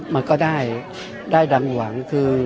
มันก็ได้ได้ดังหวัง